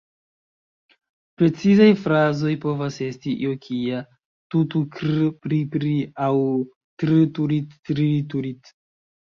Precizaj frazoj povas esti io kia "tu-tu-krr-prii-prii" aŭ "trr-turit trr-turit...".